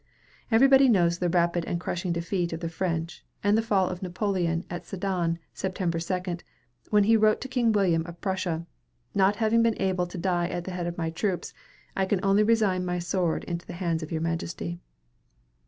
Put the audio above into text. Everybody knows the rapid and crushing defeat of the French, and the fall of Napoleon at Sedan, September 2, when he wrote to King William of Prussia, "Not having been able to die at the head of my troops, I can only resign my sword into the hands of your Majesty."